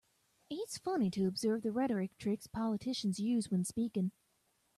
It's funny to observe the rhetoric tricks politicians use when speaking.